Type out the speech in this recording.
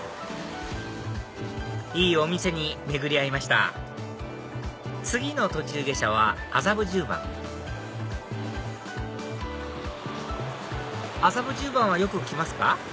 いいお店に巡り合いました次の途中下車は麻布十番麻布十番はよく来ますか？